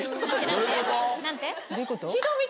どういうこと？